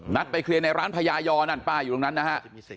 ไปเคลียร์ในร้านพญายอนั่นป้าอยู่ตรงนั้นนะฮะ